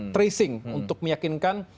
tracing untuk meyakinkan